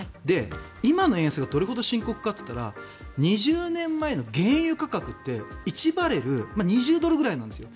今の円安がどれほど深刻かと言ったら２０年前の原油価格って１バレル２０ドルぐらいなんですよ。